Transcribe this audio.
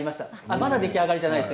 まだ出来上がりじゃないです。